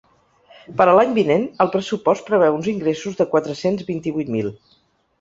Per a l’any vinent, el pressupost preveu uns ingressos de quatre-cents vint-i-vuit mil.